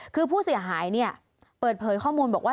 คือผู้เสียหายเนี่ยเปิดเผยข้อมูลบอกว่า